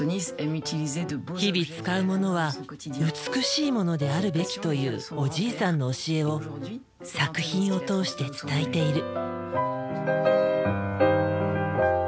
日々使うものは美しいものであるべきというおじいさんの教えを作品を通して伝えている。